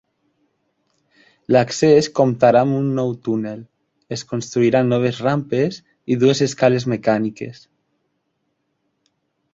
L'accés comptarà amb un nou túnel, es construiran noves rampes i dues escales mecàniques.